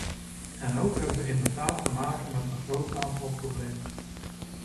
En ook hebben we inderdaad te maken met een groot aantal problemen.